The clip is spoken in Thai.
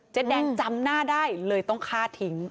แดงจำหน้าได้เลยต้องฆ่าทิ้ง